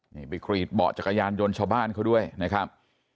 ขี่หี่หายไปบอกจักรยานยนต์ชาวบ้านเขาด้วยนะครับ